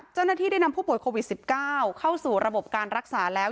เจ้าหน้าที่ได้นำผู้ป่วยโควิด๑๙เข้าสู่ระบบการรักษาแล้ว